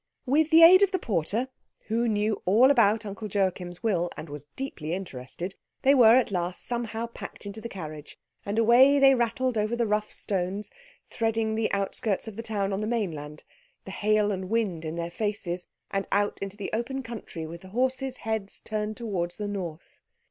With the aid of the porter, who knew all about Uncle Joachim's will and was deeply interested, they were at last somehow packed into the carriage, and away they rattled over the rough stones, threading the outskirts of the town on the mainland, the hail and wind in their faces, out into the open country, with their horses' heads turned towards the north.